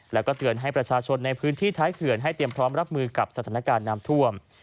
แล้วก็เตือนให้ประชาชนในพื้นที่ท้ายเขื่อนให้เตรียมพร้อมรับมือกับสถานการณ์น้ำท่วม